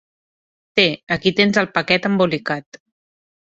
Té, aquí tens el paquet embolicat.